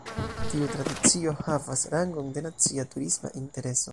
Tiu tradicio havas rangon de nacia turisma intereso.